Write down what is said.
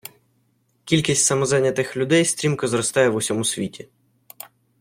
Кількість самозайнятих людей стрімко зростає в усьому світі.